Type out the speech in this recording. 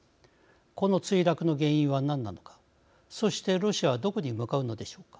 この墜落の原因は何なのかそして、ロシアはどこに向かうのでしょうか。